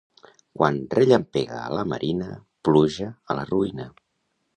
Quan rellampega a la marina, pluja a la ruïna.